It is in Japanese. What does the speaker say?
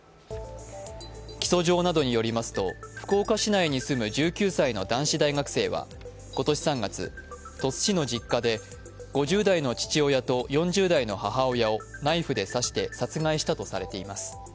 起訴状などによりますと、福岡市内に住む１９歳の男子大学生は、今年３月、鳥栖市の実家で５０代の父親と４０代の母親をナイフで刺して殺害したとされています。